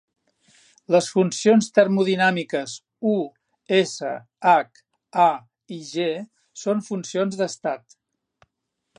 Les funcions termodinàmiques "U", "S", "H", "A" i "G" són funcions d'estat.